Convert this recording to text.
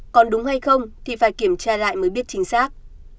còn đúng hay không thì phải kiểm tra lại mới biết chính xác